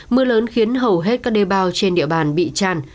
mưa lớn khiến hầu hết các đê bao trên địa bàn bị tràn